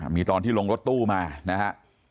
มีตอนที่ลงรถตู้มานะฮะ